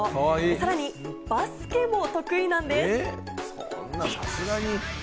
さらにバスケも得意なんです。